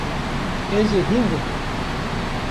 Ez ê hîn bibim.